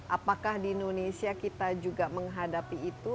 apakah di indonesia kita juga menghadapi itu